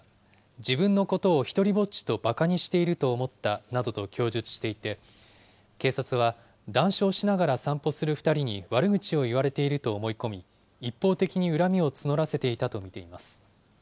自分のことを独りぼっちとばかにしていると思ったなどと供述していて、警察は談笑しながら散歩する２人に悪口を言われていると思い込み、一方的に恨みを募らせていたと見ています。